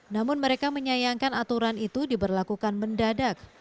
namun mereka menyayangkan aturan itu diberlakukan mendadak